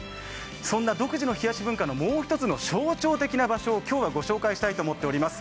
そんな独自の冷やし文化のもうひとつの象徴的な場所を今日は紹介したいと思います。